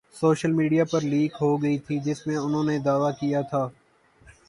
social media پر leak ہوگئی تھی جس میں انہوں نے دعویٰ کیا تھا